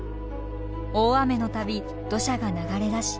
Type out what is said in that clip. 大雨の度土砂が流れ出し